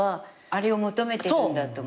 あれを求めてるんだと。